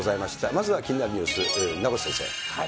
まずは気になるニュース、名越先生。